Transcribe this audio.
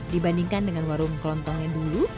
dibandingkan dengan warung kelontong yang dulu